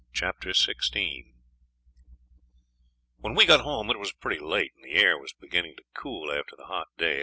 Chapter 16 When we got home it was pretty late, and the air was beginning to cool after the hot day.